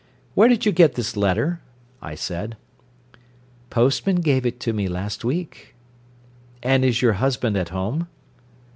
"Where did you get this letter?" I said. "Postman gave it me last week." "And is your husband at home?"